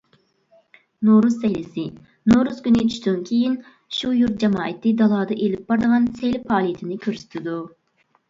نورۇز سەيلىسى: نورۇز كۈنى چۈشتىن كېيىن شۇ يۇرت جامائىتى دالادا ئېلىپ بارىدىغان سەيلە پائالىيىتىنى كۆرسىتىدۇ.